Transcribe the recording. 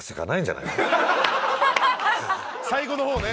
最後の方ね。